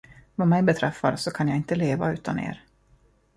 Vad mig beträffar, så kan jag inte leva utan er.